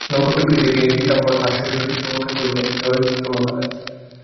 নক্ষত্রকে দেখিয়াই পীতাম্বর হাস্যবিকশিত মুখে কহিলেন, জয়োস্তু মহারাজ!